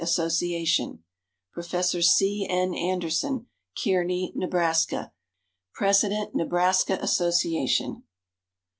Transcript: Association); Professor C. N. Anderson, Kearney, Neb. (President, Nebraska Association).